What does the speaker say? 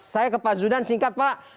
saya ke pak zudan singkat pak